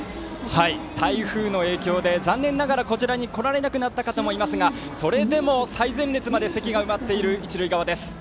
台風の影響で、残念ながらこちらに来られなくなった方もいますがそれでも最前列まで席が埋まっている一塁側です。